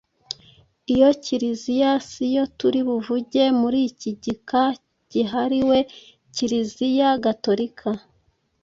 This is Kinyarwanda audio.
Iyo Kiliziya si yo turi buvuge muri iki gika gihariwe Kiliziya gatolika.